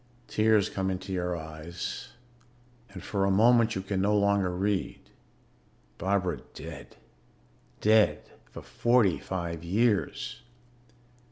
Tears come into your eyes and for a moment you can no longer read. Barbara dead dead for forty five years.